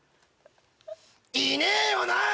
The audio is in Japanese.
「いねえよなぁ！！？」